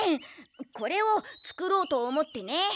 これをつくろうとおもってね。